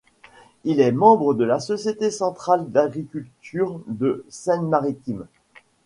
Il est membre de la Société centrale d'agriculture de Seine-Maritime.